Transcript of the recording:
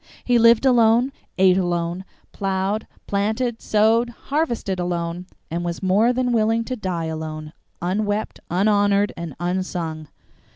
He lived alone, ate alone, plowed, planted, sowed, harvested alone, and was more than willing to die alone, "unwept, unhonored, and unsung."